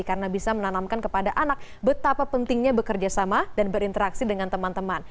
karena bisa menanamkan kepada anak betapa pentingnya bekerjasama dan berinteraksi dengan teman teman